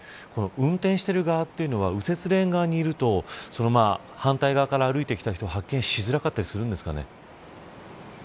運転している側というのは右折レーン側にいると反対側から歩いてきた人を発見しづらかったりするんですかね。